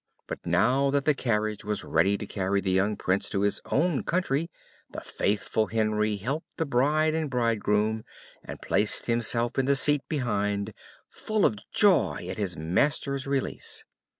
But now that the carriage was ready to carry the young Prince to his own country, the faithful Henry helped in the bride and bridegroom, and placed himself in the seat behind, full of joy at his master's release.